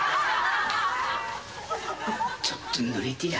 ちょっとぬれてら。